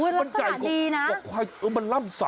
ลักษณะดีนะมันใจกว่าควายมันล่ำสำ